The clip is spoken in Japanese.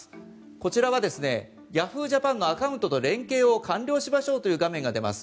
こちらはですねＹａｈｏｏ！ＪＡＰＡＮのアカウントと連携を完了しましょうという画面が出ます。